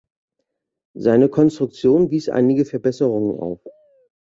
Seine Konstruktion wies einige Verbesserungen auf.